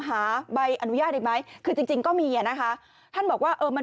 หาใบอนุญาตอีกไหมคือจริงจริงก็มีอ่ะนะคะท่านบอกว่าเออมัน